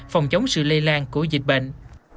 phòng chống sự lây lan của dịch bệnh